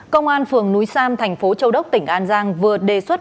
công an phường núi sam tp châu đốc tỉnh an giang vừa đề xuất